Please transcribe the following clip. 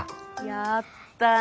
やったね。